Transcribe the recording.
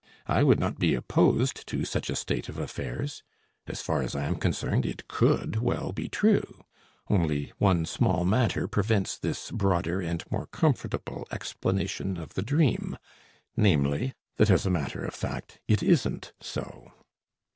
I would not be opposed to such a state of affairs. As far as I am concerned, it could well be true. Only one small matter prevents this broader and more comfortable explanation of the dream namely, that as a matter of fact it isn't so.